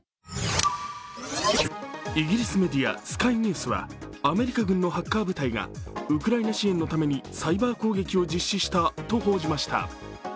イギリスメディア、スカイ・ニュースはアメリカ軍のハッカー部隊がウクライナ支援のためにサイバー攻撃を実施したと報じました。